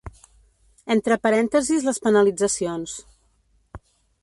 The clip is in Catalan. Entre parèntesis les penalitzacions.